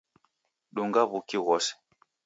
Dunga w'uki ghose